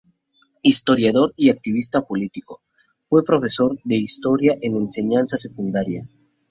Historiador y activista político, fue profesor de historia en enseñanza secundaria.